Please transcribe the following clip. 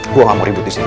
gue gak mau ribut disini